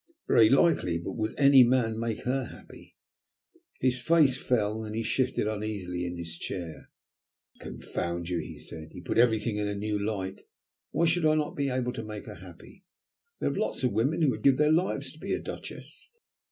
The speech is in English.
"Very likely, but would any man make her happy?" His face fell, and he shifted uneasily in his chair. "Confound you," he said, "you put everything in a new light. Why should I not be able to make her happy? There are lots of women who would give their lives to be a Duchess!"